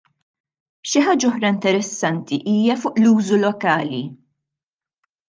Xi ħaġa oħra interessanti hija fuq l-użu lokali.